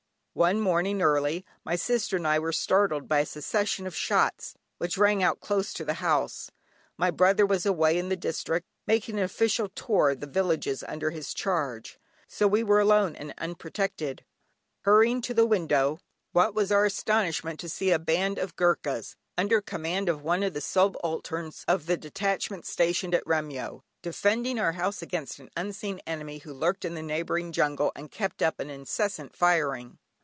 One morning early, my sister and I were startled by a succession of shots which rang out close to the house. My brother was away in the district, making an official tour among the villages under his charge, so we were alone and unprotected. Hurrying to the window, what was our astonishment to see a band of Goorkhas, under command of one of the subalterns, of the detachment stationed at Remyo, defending our house against an unseen enemy who lurked in the neighbouring jungle, and kept up an incessant firing.